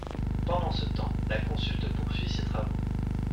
Pendant ce temps, la consulte poursuit ses travaux.